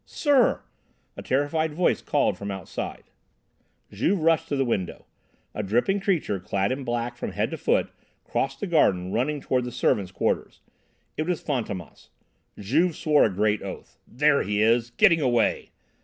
"Sir!" A terrified voice called from outside. Juve rushed to the window. A dripping creature, clad in black from head to foot, crossed the garden, running toward the servants' quarters. It was Fantômas. Juve swore a great oath: "There he is! Getting away!"